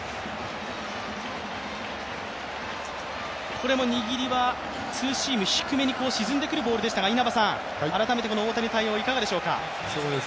これも握りはツーシーム低めに飛んでくるボールでしたが、改めて大谷の対応、いかがでしょうか？